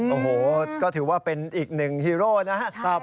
โอ้โหก็ถือว่าเป็นอีกหนึ่งฮีโร่นะครับ